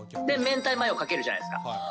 で、明太マヨかけるじゃないですか。